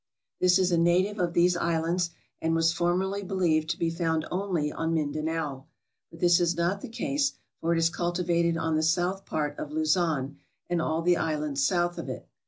'' This is a native of these islands, and was formerly believed to be found only on Mindanao ; but this is not the case, for it is cultivated on the south part of Luzon and all the islands south of it.